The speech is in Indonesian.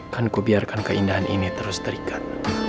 kan kubiarkan keindahan ini terus terikat